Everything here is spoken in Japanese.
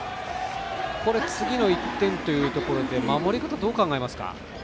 次の１点というところで守り方、どう考えますか。